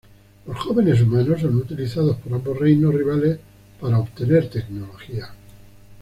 Los jóvenes humanos son utilizados por ambos reinos rivales para obtener tecnología.